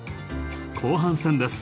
後半戦です。